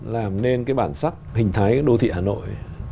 làm nên cái bản sắc hình thái đô thị hà nội